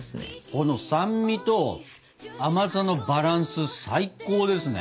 この酸味と甘さのバランス最高ですね。